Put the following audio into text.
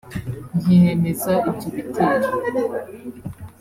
ntiyemeza ibyo bitero